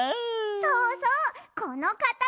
そうそうこのかたち！